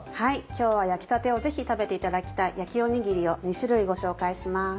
今日は焼きたてをぜひ食べていただきたい焼きおにぎりを２種類ご紹介します。